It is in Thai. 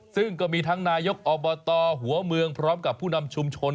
ซึ่งก็มีทั้งนายกอบตหัวเมืองพร้อมกับผู้นำชุมชน